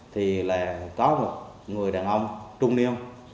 thì là có một người đàn ông trung niên